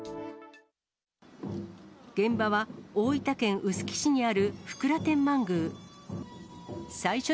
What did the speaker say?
現場は大分県臼杵市にある福良天満宮。